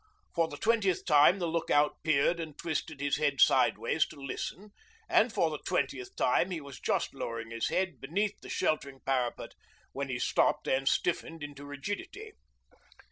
For the twentieth time the look out peered and twisted his head sideways to listen, and for the twentieth time he was just lowering his head beneath the sheltering parapet when he stopped and stiffened into rigidity.